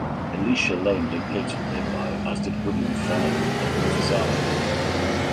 Elisha Lane located nearby, as did William Farley, and Rufus Allen.